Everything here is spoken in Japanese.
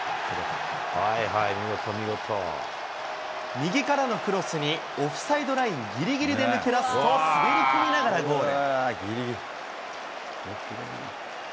右からのクロスにオフサイドラインぎりぎりで抜け出すと、滑り込みながらゴール。